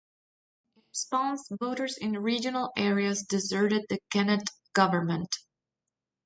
In response, voters in regional areas deserted the Kennett government.